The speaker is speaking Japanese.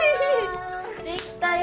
できたよ。